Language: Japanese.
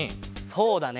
そうだね。